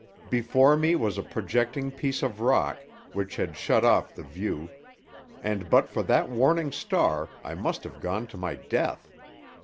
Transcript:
Before me was a projecting piece of rock, which had shut off the view, and but for that warning star I must have gone to my death.